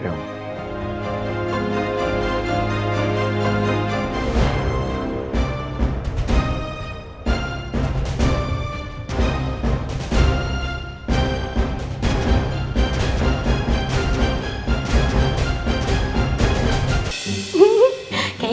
kami sudah selesai